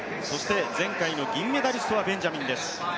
前回の銀メダリストはベンジャミンです。